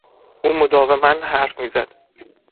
او مداوما حرف زد.